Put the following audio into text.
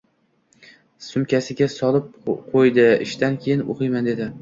Sumkasiga solib qoʻydi – ishdan keyin oʻqiyman, dedi.